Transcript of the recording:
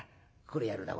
これやるだ。